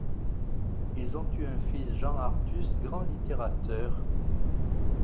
Ils ont eu un fils Jean Artus grand littérateur.